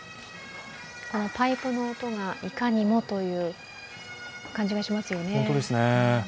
パイプの音がいかにもという感じがしますよね。